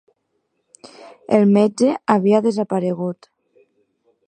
El metge havia desaparegut